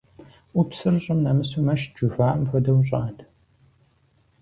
Ӏупсыр щӀым нэмысыу мэщт жыхуаӏэм хуэдэу щӏыӏэт.